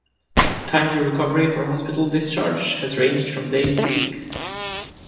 Time to recovery for hospital discharge has ranged from days to weeks.